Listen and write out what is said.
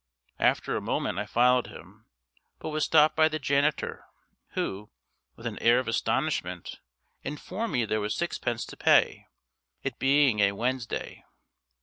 After a moment I followed him, but was stopped by the janitor, who, with an air of astonishment, informed me there was sixpence to pay, it being a Wednesday.